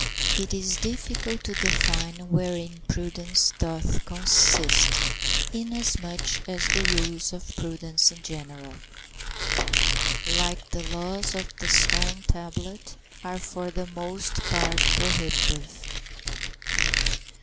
It is difficult to define wherein prudence doth consist, inasmuch as the rules of prudence in general, like the laws of the stone tablet, are for the most part prohibitive.